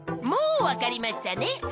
もうわかりましたね？